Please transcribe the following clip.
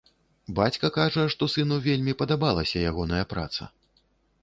Бацька кажа, што сыну вельмі падабалася ягоная праца.